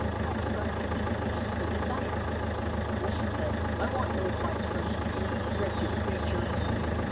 However, I can give you some good advice." The wolf said, "I want no advice from you, wretched creature!